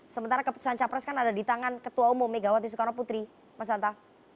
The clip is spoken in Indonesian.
sementara keputusan capres kan ada di tangan ketua umum megawati soekarno putri mas hanta